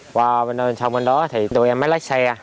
qua bên sông ra đó thì tội em mới lái xe